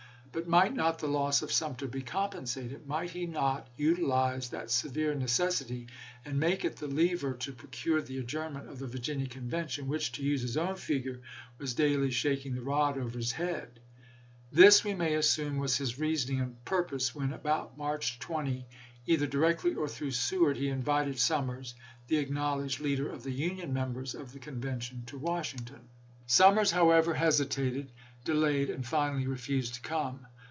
But might not the loss of Sumter be compensated? Might he not utilize that severe necessity, and make it the lever to procure the adjournment of the Virginia Conven tion, which, to use his own figure, was daily shak ing the rod over his head ? This we may assume was his reasoning and purpose when about March 20, either directly or through Seward, he invited Summers, the acknowledged leader of the Union members of the convention, to Washington. 428 ABRAHAM LINCOLN ch. xxv. Summers, however, hesitated, delayed, and finally refused to come.